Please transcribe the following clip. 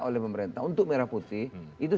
oleh pemerintah untuk merah putih itu